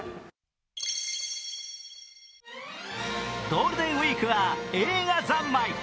ゴールデンウイークは映画ざんまい。